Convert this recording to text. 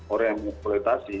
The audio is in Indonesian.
orang yang meng pleitasi